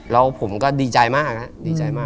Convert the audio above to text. แล้วผมก็ดีใจมากอะ